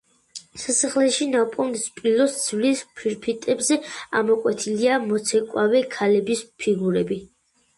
სასახლეში ნაპოვნ სპილოს ძვლის ფირფიტებზე ამოკვეთილია მოცეკვავე ქალების ფიგურები.